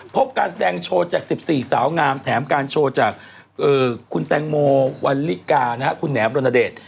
พบการแสดงโชว์จาก๑๔สาวงามแถมการโชว์จากคุณแตงโมวันลิกาคุณแหมรณเดช